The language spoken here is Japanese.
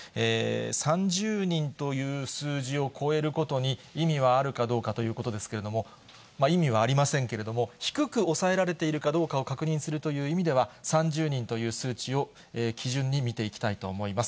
３０人という数字を超えることに意味はあるかどうかということですけれども、意味はありませんけれども、低く抑えられているかどうかを確認するという意味では、３０人という数値を基準に見ていきたいと思います。